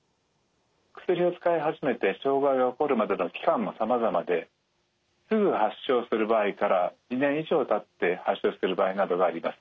薬を使い始めて障害が起こるまでの期間もさまざまですぐ発症する場合から２年以上たって発症してる場合などがあります。